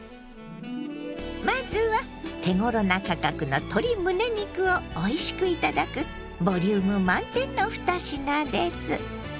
まずは手ごろな価格の鶏むね肉をおいしく頂くボリューム満点の２品です。